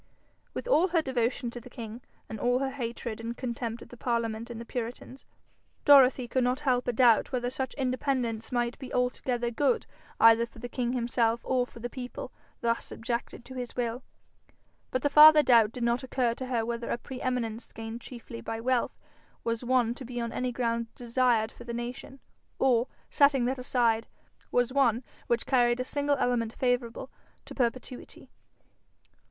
With all her devotion to the king, and all her hatred and contempt of the parliament and the puritans, Dorothy could not help a doubt whether such independence might be altogether good either for the king himself or the people thus subjected to his will. But the farther doubt did not occur to her whether a pre eminence gained chiefly by wealth was one to be on any grounds desired for the nation, or, setting that aside, was one which carried a single element favourable to perpetuity.